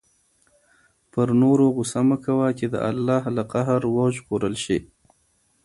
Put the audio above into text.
پر نورو غصه مه کوه چې د الله له قهر وژغورل شې.